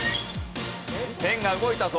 ペンが動いたぞ！